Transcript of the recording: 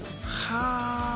はあ！